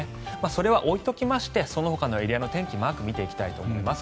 それは置いておきましてそのほかのエリアの天気マークを見ていきたいと思います。